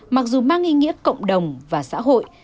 mặc dù mang ý nghĩa cộng đồng và xã hội